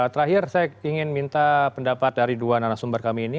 terakhir saya ingin minta pendapat dari dua narasumber kami ini